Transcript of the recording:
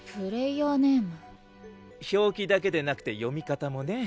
表記だけでなくて読み方もね。